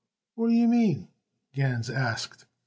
"What do you mean?" Gans asked.